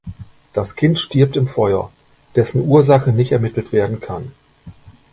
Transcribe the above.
Das Kind stirbt im Feuer, dessen Ursache nicht ermittelt werden kann.